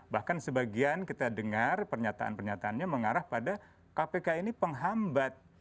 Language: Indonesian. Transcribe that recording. bahkan sebagian kita dengar pernyataan pernyataannya mengarah pada kpk ini penghambat